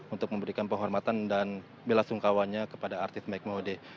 untuk memberikan penghormatan dan bela sungkawanya kepada artis mike mode